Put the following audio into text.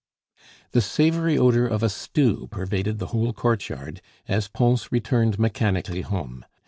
The savory odor of a stew pervaded the whole courtyard, as Pons returned mechanically home.